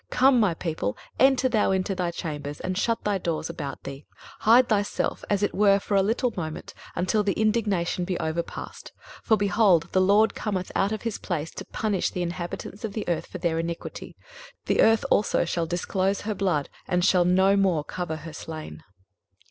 23:026:020 Come, my people, enter thou into thy chambers, and shut thy doors about thee: hide thyself as it were for a little moment, until the indignation be overpast. 23:026:021 For, behold, the LORD cometh out of his place to punish the inhabitants of the earth for their iniquity: the earth also shall disclose her blood, and shall no more cover her slain.